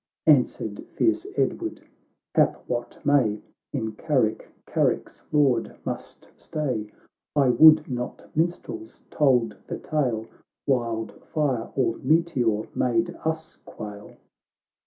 — Answered tierce Edward, " Hap what may, In Carrick, Cm rick's Lord must stay. I would not minstrels told the tale, Wild fire or meteor made us quail.''